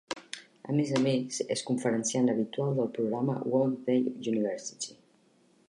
A més a més, és conferenciant habitual del programa One Day University.